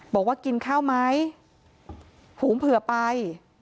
บอกว่ากินข้าวไหมฝูงเผื่อไป